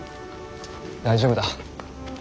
大丈夫だ。